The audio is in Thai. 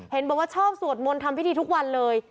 เห็นบอกว่าชอบสวดมนต์ทำพิธีทุกวันเลย